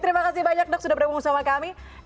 terima kasih banyak dok sudah bergabung sama kami